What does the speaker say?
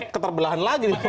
keterbelahan lagi di gokart